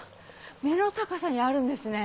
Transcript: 目の高さにあるんですね